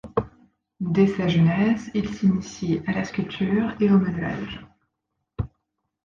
Dès sa jeunesse, il s'initie à la sculpture et au modelage.